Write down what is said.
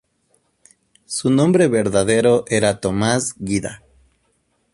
Su nombre verdadero era Tomás Guida.